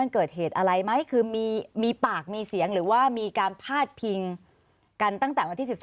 เกิดเหตุอะไรไหมคือมีปากมีเสียงหรือว่ามีการพาดพิงกันตั้งแต่วันที่๑๓